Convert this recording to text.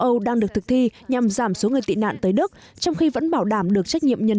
châu âu đang được thực thi nhằm giảm số người tị nạn tới đức trong khi vẫn bảo đảm được trách nhiệm nhân